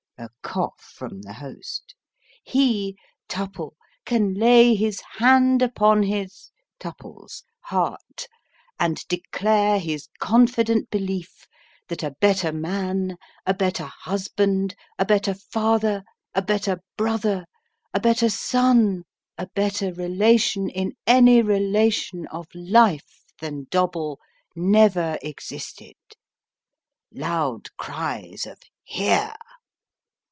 (A cough from the host.) He (Tupple) can lay his hand upon his (Tupple's) heart, and declare his confident belief that a better man, a better husband, a better father, a better brother, a better son, a better relation in any relation of life, than Dobble, never existed. (Loud cries of " Hear